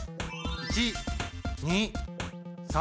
１２３４。